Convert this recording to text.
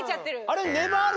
あれ。